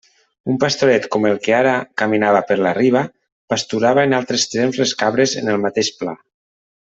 Un pastoret com el que ara caminava per la riba pasturava en altres temps les cabres en el mateix pla.